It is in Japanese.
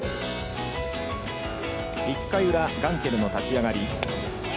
１回裏、ガンケルの立ち上がり。